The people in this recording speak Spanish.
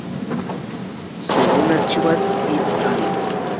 Según Archibald "et al.